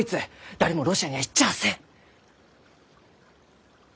誰もロシアには行っちゃあせん！